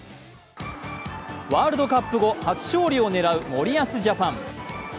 ワールドカップ後初勝利を狙う森保ジャパン。